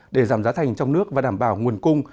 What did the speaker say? để giảm giá thành trong nước và đảm bảo nguồn cung